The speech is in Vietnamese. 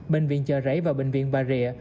bệnh viện trợ rẫy và bệnh viện bà rịa